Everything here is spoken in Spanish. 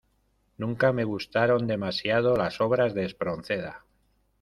Nunca me gustaron demasiado las obras de Espronceda.